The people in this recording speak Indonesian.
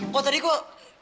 kok tadi kok